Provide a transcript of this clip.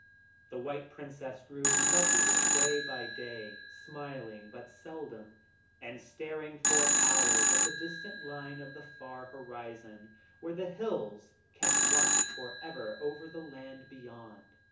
The White Princess grew lovelier day by day, smiling but seldom, and staring for hours at the distant line of the far horizon, where the hills kept watch for ever over the land Beyond.